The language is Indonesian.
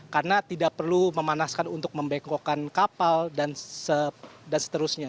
karena tidak perlu memanaskan untuk membengkokkan kapal dan seterusnya